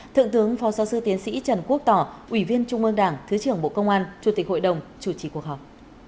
thượng tướng phó giáo sư tiến sĩ trần quốc tỏ ủy viên trung ương đảng thứ trưởng bộ công an chủ tịch hội đồng chủ trì cuộc họp